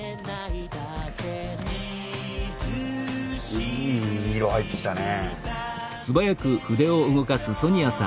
いい色入ってきたね。